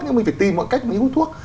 nhưng mình phải tìm mọi cách để hút thuốc